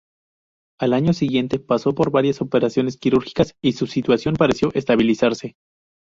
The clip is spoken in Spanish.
Al año siguiente, pasó por varias operaciones quirúrgicas y su situación pareció estabilizarse.